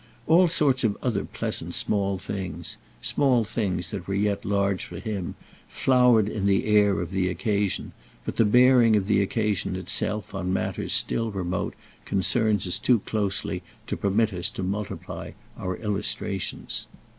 All sorts of other pleasant small things—small things that were yet large for him—flowered in the air of the occasion, but the bearing of the occasion itself on matters still remote concerns us too closely to permit us to multiply our illustrations.